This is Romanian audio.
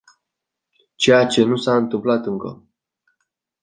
Ceea ce nu s-a întâmplat încă.